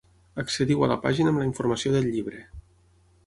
Accediu a la pàgina amb la informació del llibre.